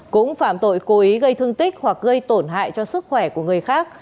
cũng phạm tội cố ý gây thương tích hoặc gây tổn hại cho sức khỏe của người khác